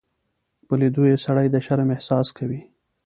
په لیدو یې سړی د شرم احساس کوي.